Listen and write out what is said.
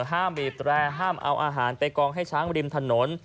ห้ามบีบแร่ห้ามเอาอาหารไปกองให้ช้างริมถนน